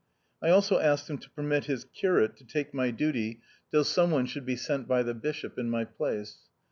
I also asked him to permit his curate to take my duty till THE OUTCAST. 129 some one should be sent by the bishop in my place.